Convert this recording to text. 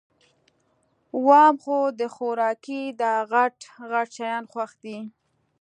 وام خو د خوارکي داغټ غټ شیان خوښ دي